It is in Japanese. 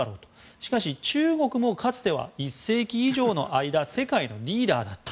しかし、中国もかつては１世紀以上の間世界のリーダーだった。